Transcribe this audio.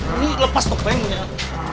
ini lepas topengnya